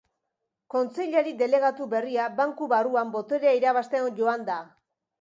Kontseilari delegatu berria banku barruan boterea irabazten joan da.